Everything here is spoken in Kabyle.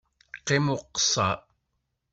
Qqim ukessar!